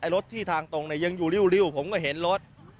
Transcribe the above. รถที่ทางตรงยังอยู่ริวผมก็เห็นรถ